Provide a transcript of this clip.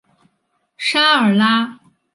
沙尔拉。